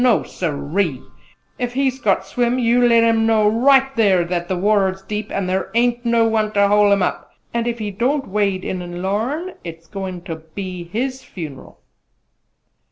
No! Sirree! Ef he's got ter swim you let him know right there that the water's deep an' thar ain't no one to hol' him up, an' ef he don't wade in an' larn, it's goin' ter be his funeral!"